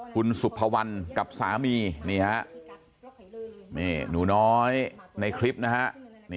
คุณสุภาวันกับสามีเนี่ยหนูน้อยในคลิปนะฮะ